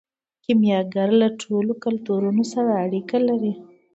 کیمیاګر له ټولو کلتورونو سره اړیکه لري.